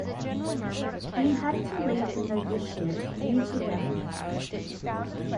He had to leave the novitiate due to deafness.